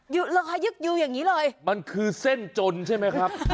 ราคายึกยูอย่างนี้เลยมันคือเส้นจนใช่ไหมครับ